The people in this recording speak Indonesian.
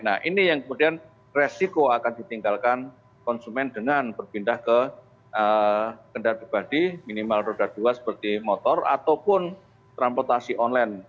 nah ini yang kemudian resiko akan ditinggalkan konsumen dengan berpindah ke kendaraan pribadi minimal roda dua seperti motor ataupun transportasi online